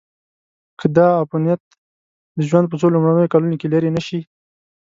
که دا عفونت د ژوند په څو لومړنیو کلونو کې لیرې نشي.